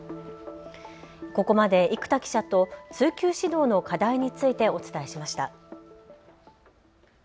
ここまで生田記者と通級指導の課題についてお伝えしました。